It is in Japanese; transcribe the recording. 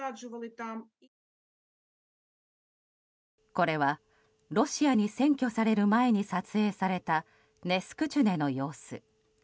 これはロシアに占拠される前に撮影されたネスクチュネの様子。